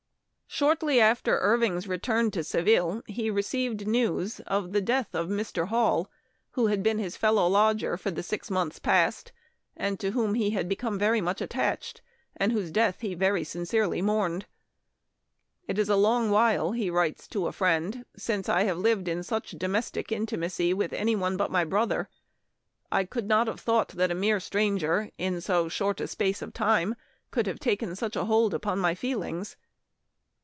Shortly after Irving's return to Seville, he received news of the death of Mr. Hall, who had had been his fellow lodger for the six months past, and to whom he had become very much attached, and whose death he very sincerely mourned. " It is a long while," he writes to a friend, " since I have lived in such domestic Memoir of Washington Irving. 185 intimacy with any one but my brother. I could not have thought that a mere stranger in so short a space of time could have taken such a hold upon my feelings."